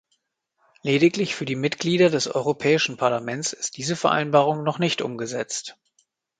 Lediglich für die Mitglieder des Europäischen Parlaments ist diese Vereinbarung noch nicht umgesetzt.